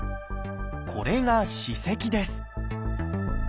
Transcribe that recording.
これが「歯石」です。